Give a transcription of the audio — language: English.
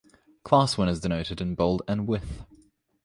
Class winners denoted in bold and with